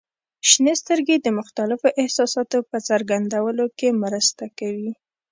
• شنې سترګې د مختلفو احساساتو په څرګندولو کې مرسته کوي.